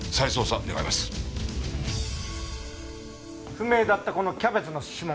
不明だったこのキャベツの指紋